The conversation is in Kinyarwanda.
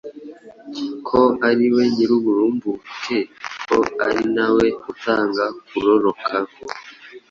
ko ariwe nyiruburumbuke ari nawe utanga kororoka